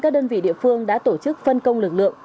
các đơn vị địa phương đã tổ chức phân công lực lượng